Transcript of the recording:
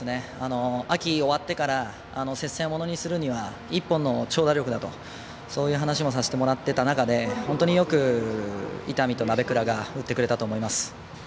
秋、終わってから接戦をものにするには１本の長打力だとそういう話もさせてもらってた中で本当によく伊丹と鍋倉が打ってくれたと思います。